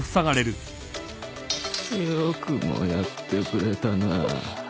よくもやってくれたなぁ。